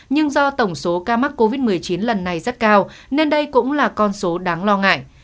nhưng do tổng số ca mắc covid một mươi chín lần này rất cao nên đây cũng là con số đáng lo ngại